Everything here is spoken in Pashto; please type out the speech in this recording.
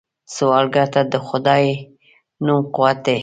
سوالګر ته د خدای نوم قوت دی